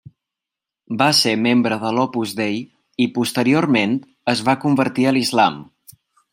Va ser membre de l'Opus Dei i posteriorment es va convertir a l'islam.